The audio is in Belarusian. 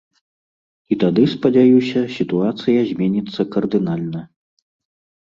І тады, спадзяюся, сітуацыя зменіцца кардынальна.